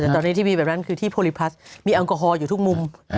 แต่ตอนนี้ที่มีแบบนั้นคือที่โพลิพลัสมีแอลกอฮอลอยู่ทุกมุม